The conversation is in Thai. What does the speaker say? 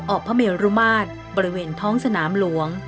ออกพระมหารุมารบริเวณท้องสนามหลวง